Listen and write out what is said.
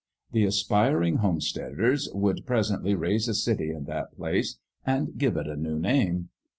The aspiring homesteaders would presently raise a city in that place and give it a new name.